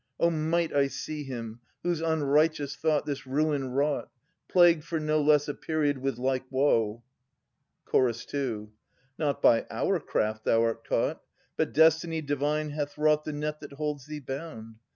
O might I see him, whose unrighteous thought This ruin wrought. Plagued for no less a period with like woe! Ch. 2. Not by our craft thou art caught, But Destiny divine hath wrought The net that holds thee bound.